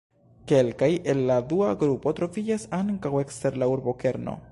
Kelkaj el la dua grupo troviĝas ankaŭ ekster la urbokerno.